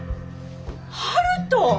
悠人！